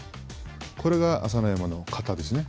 これが朝乃山の型ですね。